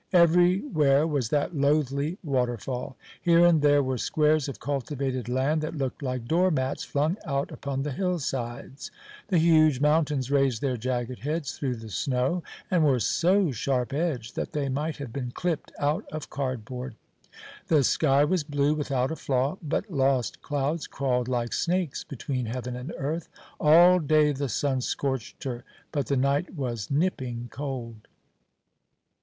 Everywhere was that loathly waterfall. Here and there were squares of cultivated land that looked like door mats flung out upon the hillsides. The huge mountains raised their jagged heads through the snow, and were so sharp edged that they might have been clipped out of cardboard. The sky was blue, without a flaw; but lost clouds crawled like snakes between heaven and earth. All day the sun scorched her, but the night was nipping cold.